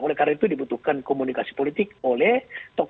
oleh karena itu dibutuhkan komunikasi politik oleh tokoh